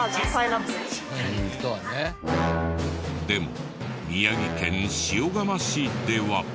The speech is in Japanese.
でも宮城県塩竈市では。